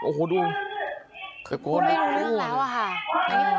นี่คือในปราวุฒินะครับเอออโยยวายพูดออกมาบอกนี่ถ้าใครร่องแก้เด็กนี่จะตายแน่